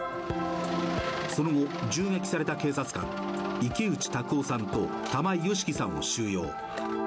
その後、銃撃された警察官池内卓夫さんと玉井良樹さんを収容。